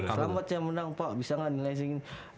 selamat saya menang pak bisa gak nih nilai segini